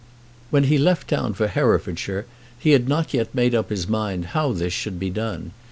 When he left town for Herefordshire he had not yet made up his mind how this should be done.